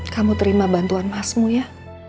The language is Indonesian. kamu terima bantuan masmu ya